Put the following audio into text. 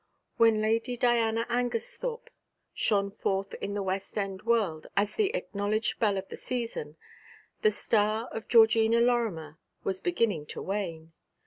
When Lady Diana Angersthorpe shone forth in the West End world as the acknowledged belle of the season, the star of Georgina Lorimer was beginning to wane.